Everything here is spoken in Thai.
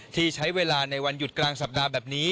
ที่ใช้เวลาในวันหยุดกลางสัปดาห์แบบนี้